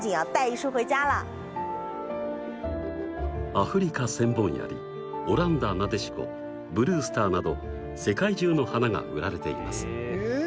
アフリカセンボンヤリオランダナデシコブルースターなど世界中の花が売られています。